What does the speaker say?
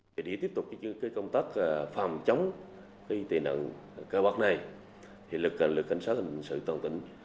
để tiếp tục công tác phạm chống tệ nạn cờ bạc này lực lượng cảnh sát hình sự tổng tỉnh